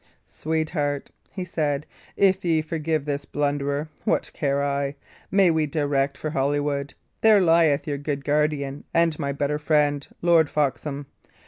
"Sweetheart," he said, "if ye forgive this blunderer, what care I? Make we direct for Holywood; there lieth your good guardian and my better friend, Lord Foxham.